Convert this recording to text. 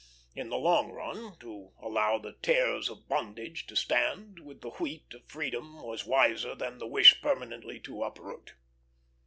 In the long run, to allow the tares of bondage to stand with the wheat of freedom was wiser than the wish prematurely to uproot.